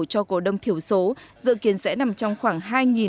cho cổ đông thiểu số dự kiến sẽ nằm trong khoảng